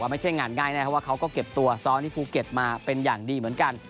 ไม่ใช่งานง่ายนะครับว่าเขาก็เก็บตัวซ้อมที่ภูเก็ตมาเป็นอย่างดีเหมือนกัน